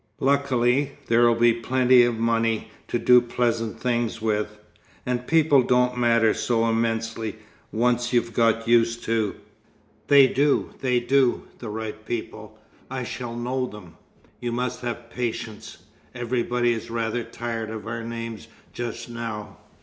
Luckily, there'll be enough money to do pleasant things with; and people don't matter so immensely, once you've got used to " "They do, they do! The right people. I shall know them." "You must have patience. Everybody is rather tired of our names just now.